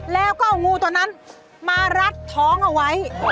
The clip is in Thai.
แล้วก็เอางูตัวนั้นมารัดท้องเอาไว้